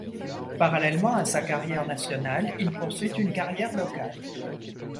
Parallèlement à sa carrière nationale, il poursuit une carrière locale.